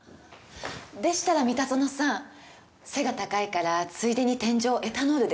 でしたら三田園さん背が高いからついでに天井をエタノールで拭いてくださる？